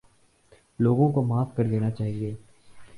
لوگوں کو معاف کر دینا چاہیے